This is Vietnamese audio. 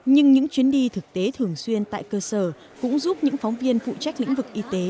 nhưng những chuyến đi thực tế thường xuyên tại cơ sở cũng giúp những phóng viên phụ trách lĩnh vực y tế